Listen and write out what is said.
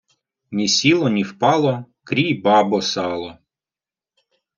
Ні сіло ні впало, крій, бабо, сало!